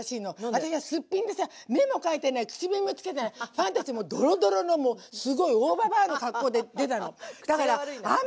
私はすっぴんでさ目も描いてない口紅もつけてないファンデーションもドロドロのもうすごい大ババアの格好で出たの。